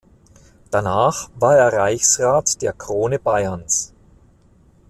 Danach war er Reichsrat der Krone Bayerns.